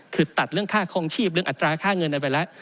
คือตัดเรื่องค่าคลองชีพเรื่องอัตราค่าเงินอะไรไปแล้ว